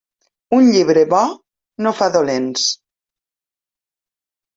Un llibre bo no fa dolents.